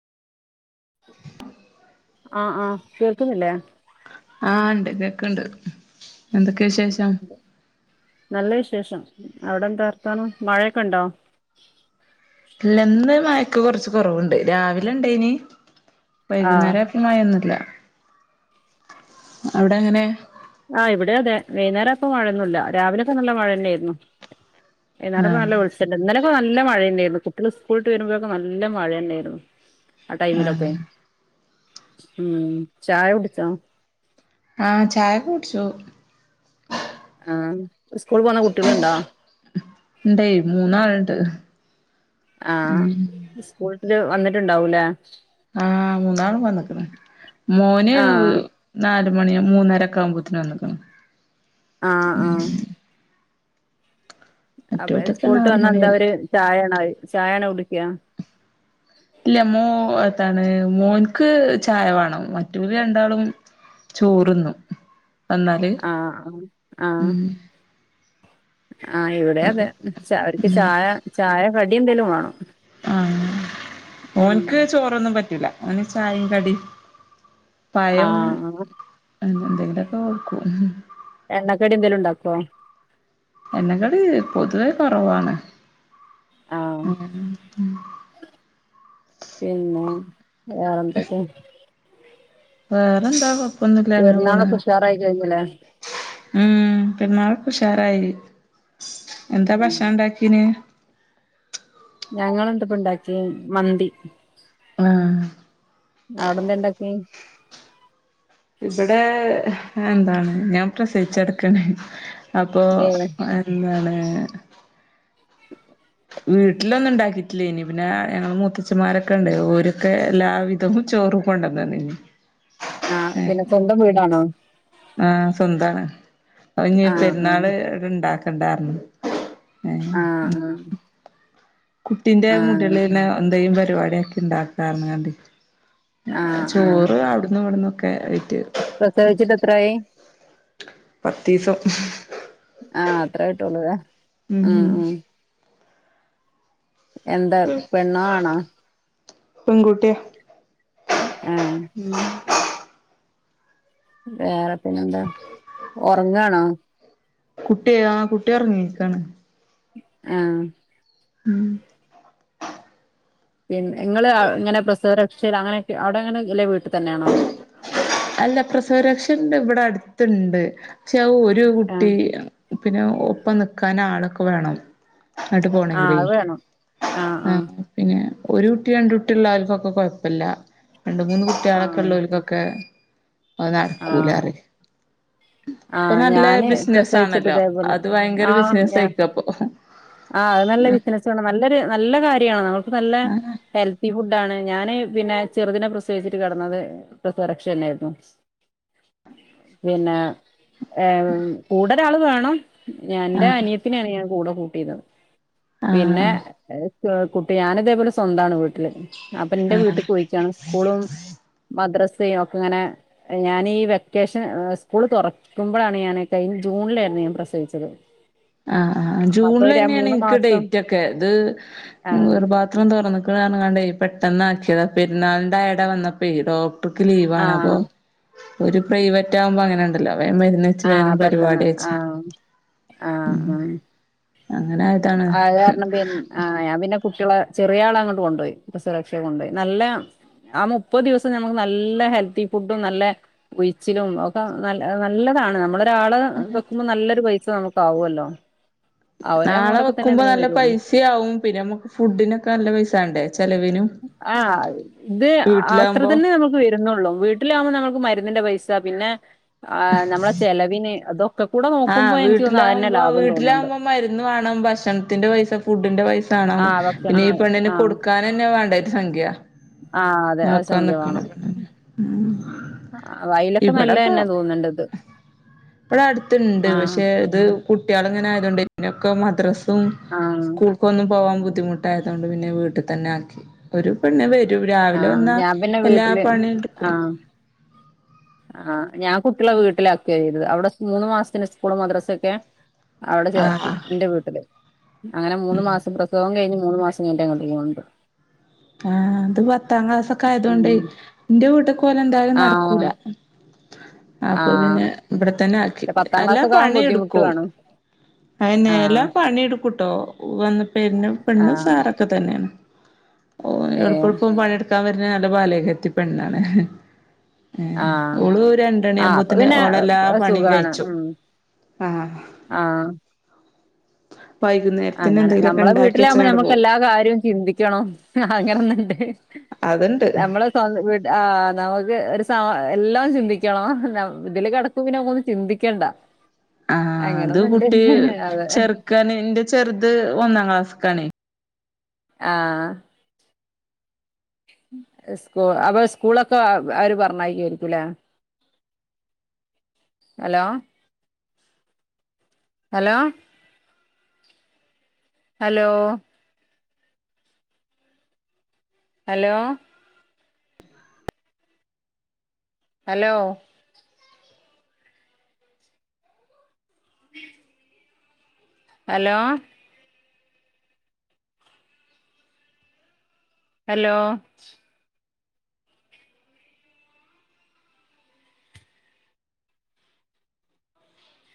ആ ആ കോൾക്കുന്നില്ലേ ക്ക്ണ്ട് എന്തൊക്കെ വിശേഷം നല്ല വിശേഷം അവിടെന്താർത്താനം മഴയൊക്കെ ഉണ്ടോ ഇല്ല ഇന്ന് മയക്ക് കൊറച്ച് കൊറവുണ്ട് രാവിലെ ഇണ്ട യ് നി ആഹ് വൈകുന്നേരം ആയപ്പോൾ മഴ ഒന്നുമില്ല അവിടെ അങ്ങനെ ആ ഇവിടെ അതെ വൈകുന്നേരം അയപ്പൊ മഴൊന്നുല്ല രാവിലെയൊക്കെ നല്ല മഴ തന്നെയായിരുന്നു വൈന്നേരം ഇപ്പം ആഹ് നല്ല വെളിച്ചെണ്ട് ഇന്നാല ഇപ്പ നല്ല മഴയെന്നെയരുന്നു കുട്ടികള് സ്കൂളിട്ട് വരുമ്പോഴൊക്കെ നല്ല മഴ തന്നെയായിരുന്നു ആ ടൈമിലൊക്കെ ആഹ് ഉം ചായകുടിച്ചോ ആ ചായക്കെകുടിച്ചു ആ സ്കൂൾപോക്ന്നകുട്ടികൾണ്ടോ ഇണ്ടേ മൂന്നാള്ണ്ട് ആ ഉം സ്കൂളിട്ടിട്ട് വന്നിട്ടുണ്ടാവൂലേ ആ മൂന്നാളും വന്ന്ക്ക്ണ് മോന് ആഹ് നാല് മണി മൂന്നരക്കാവുമ്പോത്തിന് വന്ന്ക്ക്ണ് ആഹ് ആഹ് അപ്പൊ മറ്റോലൊക്കെ സ്കൂൾട്ട് നാല് വന്നാ മണി കഴിയും എന്താവര് ചായണൊ [inaudible] ചായണൊ കുടിക്ക ഇല്ല മോ എത്താണ് മോൻക്ക് ചായവാണം മറ്റൊല് രണ്ടാളും ചോറ്ന്നും വന്നാല് ആഹ് ആഹ് ഉം ആ ഇവിടിയതെ [unintelligible] അവർക്ക്ചായ ചായ കടിയെന്തെങ്കിലും വാണം ആ ഓൻക്ക്ചോറൊന്നുംപറ്റൂല അവന്ചായിംകടി പയം ആഹ് [inaudible] ന്തെങ്കിലൊക്കെ വെക്കും എണ്ണക്കടിയെന്തേലും ഉണ്ടാക്കോ എണ്ണക്കടി പൊതുവേകൊറവാണ് ആഹ് ഉം പിന്നെ വേറെന്തൊക്കെ വേറെന്താ കൊഴപ്പൊന്നുല്ല അങ്ങനെ പോണ് പെരുന്നാളൊക്കെ ഉഷാറായി കഴിഞ്ഞില്ലേ ഉം പിന്ന [unintelligible] ഉഷാറായി എന്താ ഉം ഭക്ഷണം ഉണ്ടാക്കീന് ഞങ്ങെളന്തപ്പണ്ടാക്കിയെ മന്തി ആഹ് അവിടെന്താണ്ടാക്കിയെ ഇവിടെ എന്താണ് ഞാൻ പ്രസവിച്ചുകിടക്കാണ് അപ്പോ ഏഹ് എന്താണ് വീട്ടിലൊന്നുംണ്ടാക്കിറ്റില്ലേയിനിം പിന്നെ ഞങ്ങള് മൂത്തച്ഛന്മാരൊക്കെണ്ട് ഓരൊക്കെ എല്ലാവിധം ചോറ് കൊണ്ടന്നന്നിനിം ആ പിന്നെസ്വന്തംവീടാണോ ആ സ്വന്താണ് അപ്പോഞ് ആഹ് ആഹ് പെരുന്നാള് ഇവിടെണ്ടാക്കണ്ടാറഞ്ജിനിം ഏ ആഹ് ആഹ് ആഹ് കുട്ടിന്റെമുടിയളേൽന് എന്തേലും പരിവാടിയാക്കിണ്ടാകാർനാണ്ടെയ് ആഹ് ചോറ് അവിട്ന്നുംവിട്ന്നൊക്കെ പ്രസവിച്ചിട്ടെത്രായി പത്തീസം ആ അത്ര ആയിട്ടൊള്ളുലെ ഉം എന്താ പെണ്ണാആണാ പെങ്കുട്ടിയ ആ [inaudible] വേറെപിന്നെന്താ ഉറങ്ങണോ കുട്ടിയാ ആ കുട്ടിയൊറങ്ങീക്കാണ് ആ ഉം പിന്നെ ങ്ങള് അവ് ഇങ്ങനെ പ്രസവ രക്ഷല്അങ്ങനെക്കെ അവിടെങ്ങനെല്ലെ വീട്ട്തന്നെയാണോ അല്ല പ്രസവരക്ഷണ്ട് ഇവിടെ അടുത്ത്ണ്ട് ക്ഷെ ഒരു കുട്ടി ആഹ് പിന്നെഒപ്പം നിക്കാൻ ആളൊക്കെ വേണം അങ്ങട്ട് ആഹ് പോണെങ്കിലേ അത് വേണം ആഹ് ആ ആഹ് പിന്നെ ഒരുകുട്ടി, രണ്ട്കുട്ടിള്ളോൽക്കൊക്കെ കൊഴപ്പല്ല രണ്ട്, മൂന്ന്കുട്ടിയാള്ളൊക്കെ ആഹ് ല്ലോൽക്കൊക്കെ അത് നടക്കൂല ആഹ് ആഹ് ഇപ്പൊനല്ല ഞാന് പ്രസവിച്ചിട്ട് ബിസിനസാണല്ലോ ഇതേപോലെ അത് ഭയങ്കര ബിസിനസയിക്കാപ്പൊ ആ അത് നല്ല ബിസിനസാണ് നല്ലൊരു നല്ല കാര്യാണ് നമ്മുക്ക് നല്ല ഹെൽത്തി ഫുഡാണ് ഞാന് പിന്നെ ചെറുതിനിനെ പ്രസേവിച്ചിട്ട് കിടന്നത് പ്രസരക്ഷ തന്നൊയിരുന്നു പിന്നെ ഏർ കൂടെരാള് വേണം ഞാന്റെ ആഹ് അനിയത്തിനാണ് ഞാൻ കൂടെ കൂട്ടിത് പിന്നെ ആഹ് കുട്ടി ഞാന ഇതേപോലെ സ്വന്താണ് വീട്ട അപ്പൊ എന്റെ ആഹ് ആഹ് വീട്ടക്ക് പോയിക്കാണ് സ്കൂളും മദ്രാസ ചെയ ഒക്കെ ഇങ്ങനെ ഞാന ഈ വെക്കേഷൻ സ്കൂൾ തുറക്ക നക്കുമ്പോഴാണ് ഞാൻ കഴിഞ്ഞ ജൂണിലായിരുന്നു ഞാൻ പ്രസവിച്ചത് ആഹ ആ അപ്പൊ ജൂണില് ഒരു തന്നെയാണ് മൂന്ന് എനിക്ക് മാസം ഡേറ്റ് ഒക്കെ ഇത് ആഹ് ഗർഭപാത്രം താന്ന് ണ്ട പെട്ടെന്ന ആക്കിയത് പെരുന്നാള ആട വന്നപ്പയ് ഡോക്ടർക്ക് ലീവണ അപ്പൊ ആഹ് ഒരു പ്രൈവറ്റ് ആവുമ്പോ അങ്ങനെ ഉണ്ടല്ലോ വേം മരുന്ന് വെച്ച് ആഹ് വേഗം പരിപാടി പെട്ടെന്ന് കഴിച്ചു ആഹ് ഉം ആഹ് ആഹ് അങ്ങനെ ആയതാണ് അത് കാരണം പിൻ ആഹ് ഞാൻ പിന്നെ കുട്ടികളെ ചെറിയ ആള അങ്ങോട്ട് കൊണ്ടു പോയി പ്രസവ രക്ഷയെ കൊണ്ടപോയി നല്ല ആ മുപ്പത് ദിവസം നമക്ക് നല്ല ഹെൽത്തി ഫുഡും നല്ല ഉഴിച്ചിലും ഒക്കെ നല്ല നല്ലതാണ് നമ്മള ഒരാള് വെക്കുമ്പോ നല്ലൊരു പൈസ നമുക്കാവല്ലോ ആളെ വെക്കുമ്പോ നല്ല പൈസയാവും പിന്നെ നമ്മുക്ക് ഫുഡിനൊക്കെ നല്ല പൈസ ആണ്ടേ ആ ഇത് അത്ര വീട്ടിലാവുമ്പോ തന്നെ നമുക്ക് വരുന്നുള്ളൂ വീട്ടിലാവകുമ്പോ നമുക്ക് മരുന്നിന്റെ പൈസ പിന്നെ് നമ്മളെ ചെലവിന് അതൊ ആ വീട്ടിലകുമ്പോ തോന്നുന്നുണ്ട് വീട്ടിലാകുമ്പോ മരുന്ന് വേണം ഭക്ഷണത്തിന്റെ പൈസ ഫുഡിന്റെ പൈസ കാണ ആഹ് പിന്നെ ഈ ഭക്ഷണത്തിന് പൈസ പെണ്ണിനെ ആഹ് കൊടുക്കാൻ തന്നെയ വേണ്ടാഒരു സംഖ്യ ആഹ് അതെ ആ നോക്കാം സംഖ്യ നിക്കണത് ആ അയ്ലൊക്കെ നല്ലതന്നെ തോന്നണ്ടത് ഇപ്പടെ അടുത്തണ്ട് പക്ഷെ ഇത് കുട്ടികൾ ഇങ്ങനെ ആയതൊണ്ട്ന്ന ക്ക മദ്രാസും ആഹ് സ്കൂൾക്ക ഒന്നും പോവാൻ ബുദ്ധിമുട്ടായതൊണ്ട് പിന്നെ വീട്ടിൽ തന്നെ ആി ഒരു പെണ്ണ് വരും രാ ല ആഹ് വന്ന ഞാൻ പിന്നെ എല്ലാ വീട്ടില് പണി എടുക്കും ആ ഞാൻ കുട്ടികളെ വീട്ടിലാക്കിയോ ചെയ്ത് അവിടെ മൂന്ന് മാസത്തിന് സ്കൂള് മദ്രാസൊക്കെ അവിടെ ചേർത്തി ആഹ് എന്റെ വീട്ടില് അങ്ങനെ മൂന്ന് മാസം പ്രസവം കഴിഞ്ഞഞ് മൂന്ന് മാസം കഴിഞ്ഞിട്ട് ഇങ്ങോട്ട് കൊണ്ടൊരു ആ അത് പത്താം ക്ലാസ്ഓക്കെ ആയതൊണ്ട് ഉം എന്റെ വീട്ട പോലെ എന്തായാലും ആഹ് നടക്കൂല അപ്പൊ ആഹ് പിന്നെ ഇവിടെത്തന്നെ ആക്കി പത്താം അല്ലാ ക്ലാസ്സൊക്കെ ആവാൻ പണി ബുദ്ധിമുട്ട് എടുക്കും കാണും ആഹ് അനലാ പണിയെടുക്കൂട്ടോ വന്ന പെരും പെണ്ണും ആഹ് ഉസാറൊക്കെ തന്നെയാണ് ഓ എളുപ്പ ഏഹ് എഴപ്പം പണിയെടുക്കാൻ വരുന്ന നല്ല ബല്യകത്തി പെണ്ണാണ് ആഹ് ഓള് രണ്ടണി ആഹ് അപ്പൊ ആുമ്പോത്തിന് പിന്നെ ഓളെല്ലാ പണിയും കഴിച്ചു ആ ആ അങ്ങനെ നമ്മളെ വീട്ടിലാകുമ്പോ നമ്മക്ക് പോവും എല്ലാ കാര്യവും ചിന്തിക്കണം അങ്ങനെന്നണ്ട് അത്ണ്ട് നമ്മള്ന്ത ആ നമുക്ക് ഒരു സ എല്ലാം ചിന്തിക്കണം ഇതില് കിടക്കും പിന്നെ ഒ ഒന്നന്ന് ചിന്തിക്കണ്ട ആ അത് അങ്ങനൊന്നുണ്ട് കുട്ടി അതെ ചെറുക്കൻന്റെ ചെറ അത് ഒന്നാം ക്ലാസ്സക്കാാണ്േ ആ സ്കൂ അപ്പൊ സ്കൂളൊക്കെ അവര് പറഞ്ഞായിക്കയിരിക്കൂലേ hello hello hello hello hello hello hello